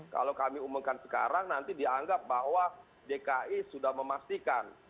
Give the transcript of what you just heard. kalau kami umumkan sekarang nanti dianggap bahwa dki sudah memastikan